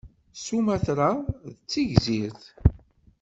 Sumatra d tigzirt.